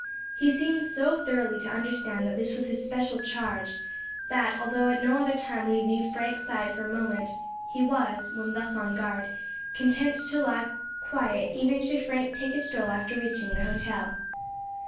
He seemed so thoroughly to understand that this was in his special charge, that although at no other time would he leave Frank's side for a moment, he was, when thus on guard, content to lie quiet even should Frank take a stroll after reaching the hotel.